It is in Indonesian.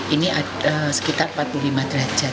ini sekitar empat puluh lima derajat